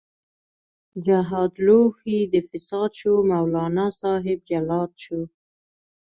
جهاد لوښۍ د فساد شو، مولانا صاحب جلاد شو